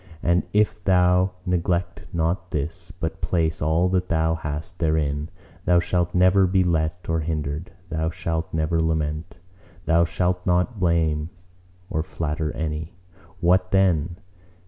And if thou neglect not this, but place all that thou hast therein, thou shalt never be let or hindered; thou shalt never lament; thou shalt not blame or flatter any. What then?